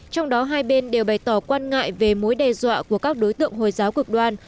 trong đó hai bên đều bày tỏ quan ngại về mối đe dọa của các đối tượng hồi giáo cực đoan